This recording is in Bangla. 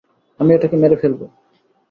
আমি এটাকে মেরে ফেলব।